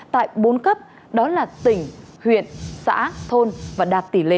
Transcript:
tại bốn cấp đó là tỉnh huyện xã thôn và đạt tỷ lệ một trăm linh